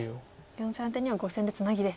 ４線アテには５線ツナギで。